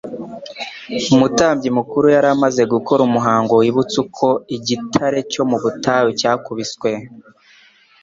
Umutambyi mukuru yari amaze gukora umuhango wibutsa uko igitare cyo mu butayu cyakubiswe.